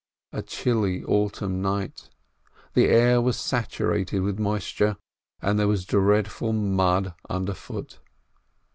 A chilly autumn night; the air was saturated with moisture, and there was dreadful mud under foot.